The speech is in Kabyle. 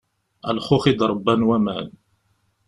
A lxux i d-ṛebban waman.